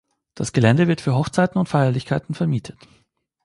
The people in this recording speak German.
Das Gelände wird für Hochzeiten und Feierlichkeiten vermietet.